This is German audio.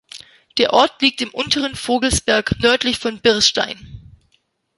Der Ort liegt im unteren Vogelsberg nördlich von Birstein.